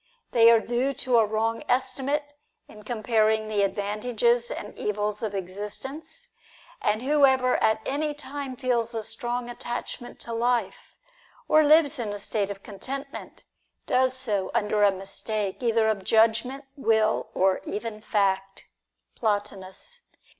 They are due to a wrong estimate, in comparing the advantages and evils of existence ; and whoever at any time feels a strong attachment to life, or lives in a state of contentment, does so under a mistake, either of judgment, will, or even fact. Plotinus.